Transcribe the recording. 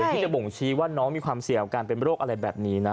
ที่จะบ่งชี้ว่าน้องมีความเสี่ยงการเป็นโรคอะไรแบบนี้นะ